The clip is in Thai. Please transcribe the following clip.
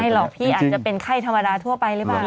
หรอกพี่อาจจะเป็นไข้ธรรมดาทั่วไปหรือเปล่า